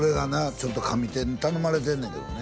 ちょっと上手に頼まれてんねんけどね